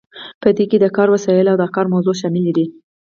په دې کې د کار وسایل او د کار موضوع شامل دي.